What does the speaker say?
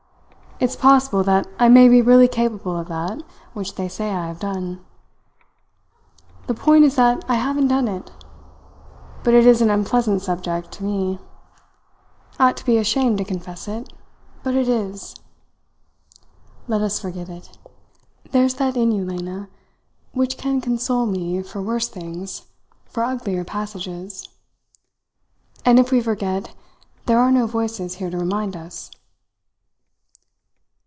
It's possible that I may be really capable of that which they say I have done. The point is that I haven't done it. But it is an unpleasant subject to me. I ought to be ashamed to confess it but it is! Let us forget it. There's that in you, Lena, which can console me for worse things, for uglier passages. And if we forget, there are no voices here to remind us."